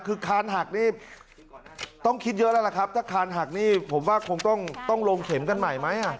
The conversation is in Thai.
คือคานหักนี่ต้องคิดเยอะแล้วล่ะครับถ้าคานหักนี่ผมว่าคงต้องลงเข็มกันใหม่ไหม